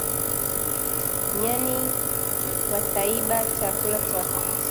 Nyani wataiba chakula chako